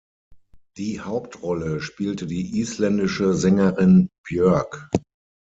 Die Hauptrolle spielte die isländische Sängerin Björk.